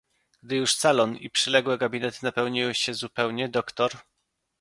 "Gdy już salon i przyległe gabinety napełniły się zupełnie, dr."